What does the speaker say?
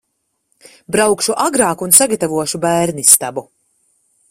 Braukšu agrāk un sagatavošu bērnistabu.